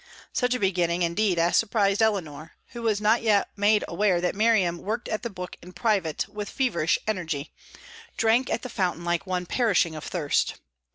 Such a beginning, indeed, as surprised Eleanor, who was not yet made aware that Miriam worked at the book in private with feverish energy drank at the fountain like one perishing of thirst.